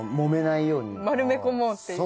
丸め込もうっていう。